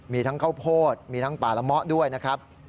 มีทั้งเข้าโพธิทั้งป่ารมะด้วยนะครับ